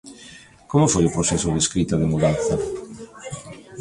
Como foi o proceso de escrita de 'Mudanza'?